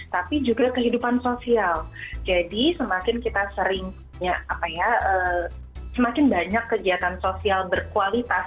tapi juga kehidupan sosial jadi semakin kita sering semakin banyak kegiatan sosial berkualitas